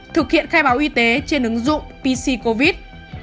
thực hiện khai báo y tế trên ứng dụng pc covid